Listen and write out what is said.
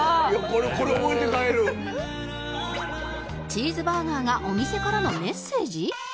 チーズバーガーがお店からのメッセージ！？